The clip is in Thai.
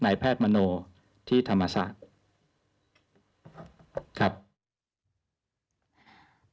แพทย์มโนที่ธรรมศาสตร์ครับครับ